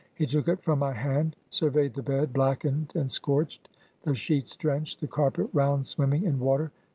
He took it from my hand, surveyed the bed, blackened and scorched, the sheets drenched, the carpet round swimming in water.